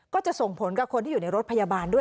ก็จะส่งผลกับคนที่อยู่ในรถพยาบาลด้วย